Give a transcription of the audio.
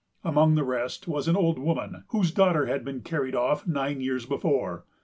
Among the rest was an old woman, whose daughter had been carried off nine years before.